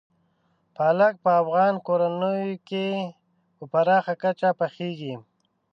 پالک په افغان کورنیو کې په پراخه کچه پخېږي.